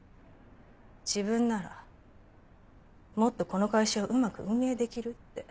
自分ならもっとこの会社をうまく運営できるって。